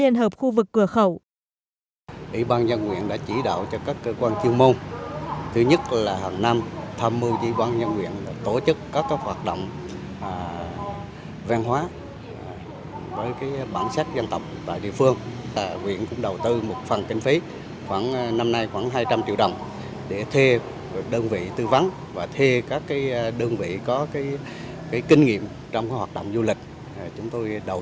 nhà kiểm soát liên hợp khu vực cửa khẩu